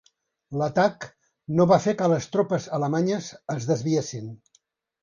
L'atac no va fer que les tropes alemanyes es desviessin.